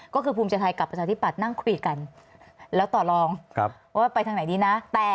ก็คือภูมิใจไทยกับประชาธิปัตย์นั่งคุยกันแล้วต่อลองว่าไปทางไหนดีนะ